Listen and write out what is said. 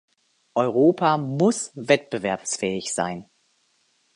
Europa muss wettbewerbsfähig sein.